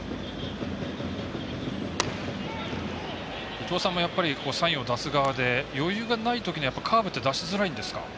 伊東さんもやっぱりサインを出す側で余裕がないときはカーブは出しづらいんですか？